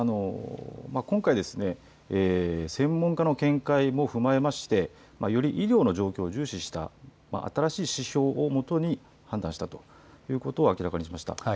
今回、専門家の見解も踏まえまして、より医療の状況を重視した新しい指標をもとに判断したということを明らかにしました。